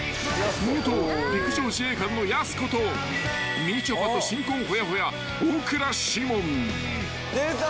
［元陸上自衛官のやす子とみちょぱと新婚ほやほや大倉士門］出た。